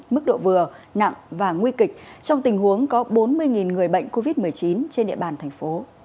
mức độ vừa nặng và nguy kịch trong tình huống có bốn mươi người bệnh covid một mươi chín trên địa bàn thành phố